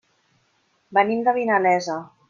Venim de Vinalesa.